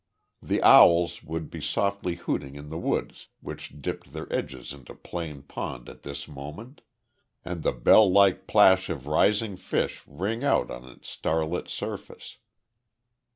The owls would be softly hooting in the woods which dipped their edges into Plane Pond at this moment, and the bell like plash of rising fish ring out on its starlit surface.